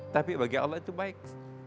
tapi bagi allah itu baik